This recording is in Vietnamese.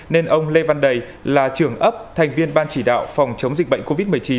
nên ông lê văn đầy là trưởng ấp thành viên ban chỉ đạo phòng chống dịch bệnh covid một mươi chín